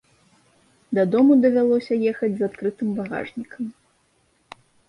Дадому давялося ехаць з адкрытым багажнікам.